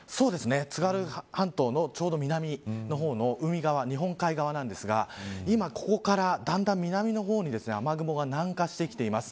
津軽半島のちょうど南の方の海側日本海側なんですが今ここから、だんだん南の方に雨雲が南下してきています。